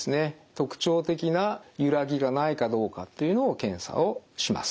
特徴的な揺らぎがないかどうかというのを検査をします。